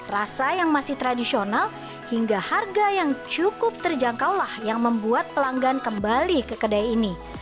rasa yang masih tradisional hingga harga yang cukup terjangkaulah yang membuat pelanggan kembali ke kedai ini